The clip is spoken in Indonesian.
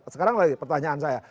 sekarang lagi pertanyaan saya